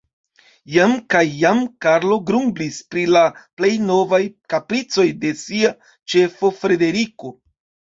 Iam kaj iam Karlo grumblis pri la plej novaj kapricoj de sia ĉefo, Frederiko.